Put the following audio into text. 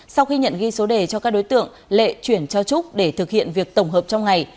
sau khi nhận ghi số đề cho các đối tượng lệ chuyển cho trúc để thực hiện việc tổng hợp trong ngày